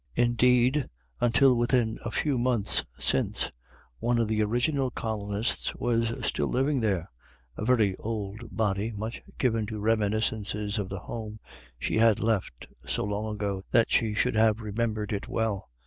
Indeed until within a few months since, one of the original colonists was still living there, a very old body, much given to reminiscences of the home she had left so long ago that she should have remembered it well.